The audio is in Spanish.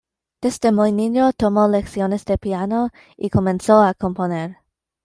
Desde muy niño tomó lecciones de piano y comenzó a componer.